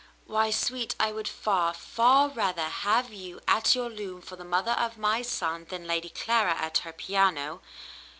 Why, sweet, I would far, far rather have you at your loom for the mother of my son, than Lady Clara at her piano.